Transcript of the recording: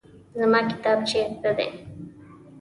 زما کتاب چیرته دی؟